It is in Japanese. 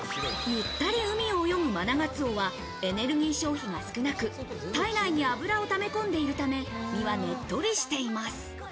ゆったり海を泳ぐマナガツオは、エネルギー消費が少なく、体内に脂をため込んでいるため、身はねっとりしています。